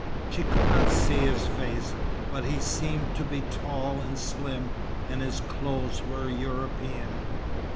She could not see his face, but he seemed to be tall and slim; and his clothes were European.